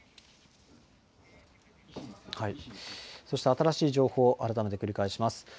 そして、新しい情報、改めて繰り返します。